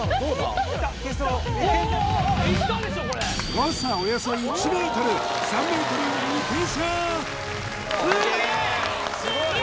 誤差およそ１ｍ３ｍ以内に停車すげー！